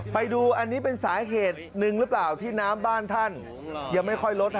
ไปดูอันนี้เป็นสาเหตุหนึ่งหรือเปล่าที่น้ำบ้านท่านยังไม่ค่อยลด